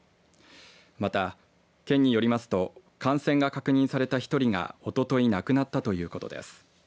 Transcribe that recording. また県によりますと感染が確認された１人がおととい亡くなったということです。